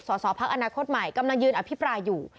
สอสอภัคดิ์อนาคตใหม่กำลังยืนอภิพรายอยู่